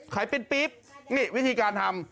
ขายปิ๊บนี่วิธีการทำ